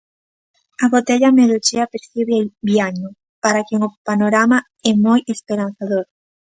A botella medio chea percíbea Viaño, para quen o panorama é moi esperanzador.